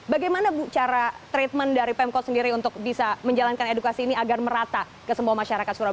bagaimana bu cara treatment dari pemkot sendiri untuk bisa menjalankan edukasi ini agar merata ke semua masyarakat surabaya